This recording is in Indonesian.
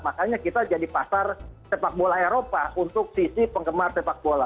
makanya kita jadi pasar sepak bola eropa untuk sisi penggemar sepak bola